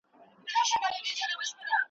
نېكمرغيو ته مي ساندي دي وروړي `